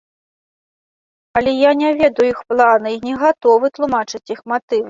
Але я не ведаю іх планы і не гатовы тлумачыць іх матывы.